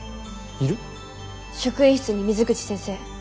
職員室に水口先生。